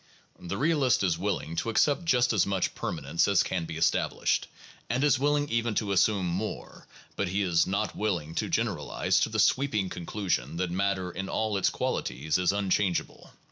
The realist is willing to accept just as much permanance as can be established, and is willing even to assume more, but he is not willing to generalize to the sweeping conclusion that matter in all its qualities is unchangeable.